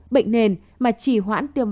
bệnh nền mà chỉ hoãn tiêu dùng